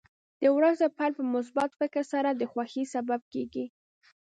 د ورځې پیل په مثبت فکر سره د خوښۍ سبب کېږي.